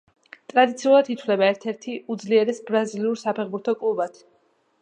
ტრადიციულად ითვლება ერთ-ერთ უძლიერეს ბრაზილიურ საფეხბურთო კლუბად.